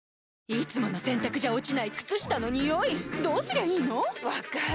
いつもの洗たくじゃ落ちない靴下のニオイどうすりゃいいの⁉分かる。